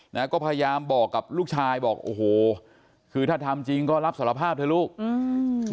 นะก็พยายามบอกกับลูกชายบอกโอ้โหคือถ้าทำจริงก็รับสารภาพเถอะลูกอืม